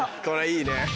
これいいね。